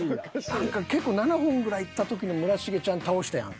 何か結構７本ぐらいいった時に村重ちゃん倒したやん。